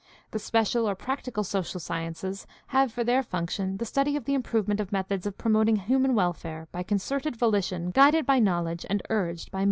The special or practical social sciences have for their function the study of the improvement of methods of promoting human welfare by concerted volition guided by knowledge and urged by motives.